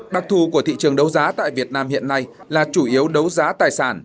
đặc thù của thị trường đấu giá tại việt nam hiện nay là chủ yếu đấu giá tài sản